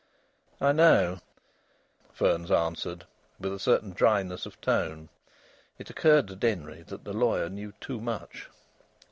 "I know," Fearns answered, with a certain dryness of tone. It occurred to Denry that the lawyer knew too much.